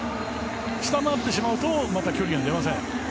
下回ってしまうと距離が出ません。